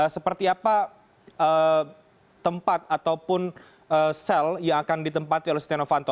seperti apa tempat ataupun sel yang akan ditempati oleh setia novanto